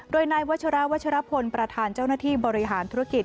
โดยนายวัชราวัชรพลประธานเจ้าหน้าที่บริหารธุรกิจ